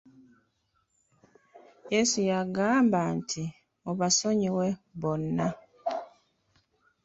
Yesu yagamba nti mubasonyiwe bonna.